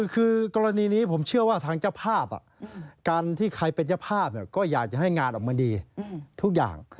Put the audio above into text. คือกรณีนี้ผมเชื่อว่าทางเจ้าภาพการที่ใครเป็นเจ้าภาพก็อยากจะให้งานออกมาดีทุกอย่าง